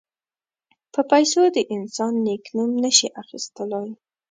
په پیسو د انسان نېک نوم نه شي اخیستلای.